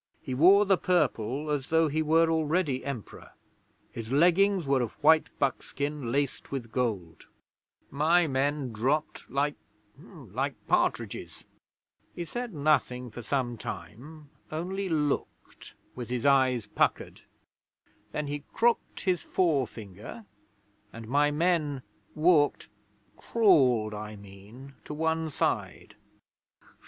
He wore the Purple, as though he were already Emperor; his leggings were of white buckskin laced with gold. 'My men dropped like like partridges. 'He said nothing for some time, only looked, with his eyes puckered. Then he crooked his forefinger, and my men walked crawled, I mean to one side.